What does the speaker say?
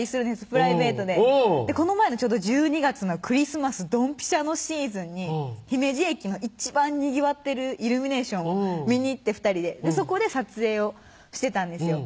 プライベートでこの前のちょうど１２月のクリスマスどんぴしゃのシーズンに姫路駅の一番にぎわってるイルミネーションを見に行って２人でそこで撮影をしてたんですよ